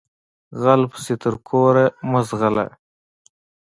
غل پسې تر کوره مه ځغلهٔ